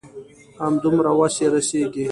همدومره وس يې رسيږي.